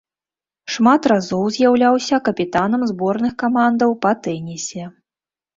Шмат разоў з'яўляўся капітанам зборных камандаў па тэнісе.